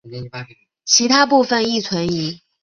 其他部分亦存疑。